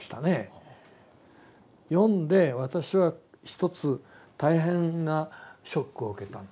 読んで私は一つ大変なショックを受けた。